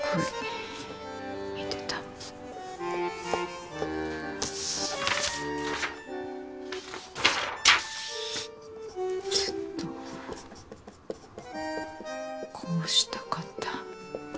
ずっとこうしたかった。